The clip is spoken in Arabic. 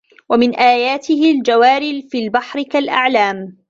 وَمِن آياتِهِ الجَوارِ فِي البَحرِ كَالأَعلامِ